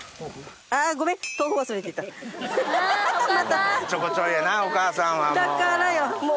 おっちょこちょいやなお母さんはもう。